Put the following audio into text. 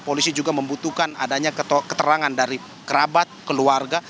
polisi juga membutuhkan adanya keterangan dari kerabat keluarga